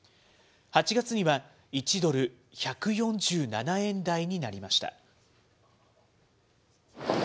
８月には、１ドル１４７円台になりました。